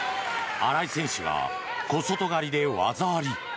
新井選手が小外刈りで技あり。